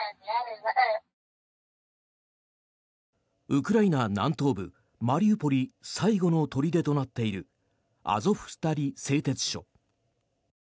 ウクライナ南東部マリウポリ最後の砦となっているアゾフスタリ製鉄所。